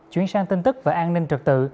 chuyển sang tin tức và an ninh trật tự